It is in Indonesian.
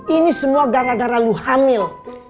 ini semua gara gara lu hamil